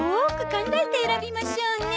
考えて選びましょうね。